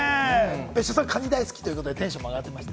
別所さん、カニが大好きということで、テンション上がってました。